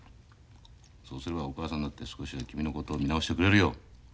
そうすればお母さんだって少しは君のことを見直してくれるよ。